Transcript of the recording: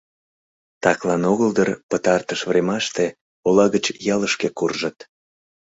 Таклан огыл дыр пытартыш времаште ола гыч ялышке куржыт.